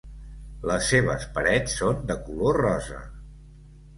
Les seves parets són de color rosa.